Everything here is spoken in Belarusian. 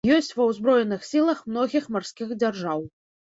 Ёсць ва ўзброеных сілах многіх марскіх дзяржаў.